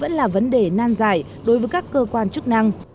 vẫn là vấn đề nan dài đối với các cơ quan chức năng